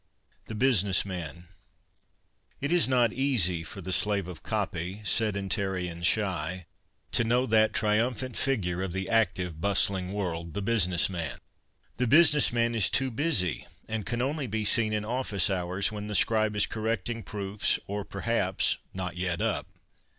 2l>5 THE BUSINESS MAN It is not easy for the slave of " eopy," sedentary and shy, to know that triumphant figure of the aetive, bustling world, the business man. The business man is too busy, and can only be seen in offiee hours, when the scribe is correcting proofs or, perhaps, not yet up.